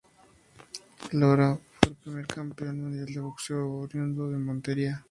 Lora fue el primer campeón mundial de boxeo oriundo de Montería.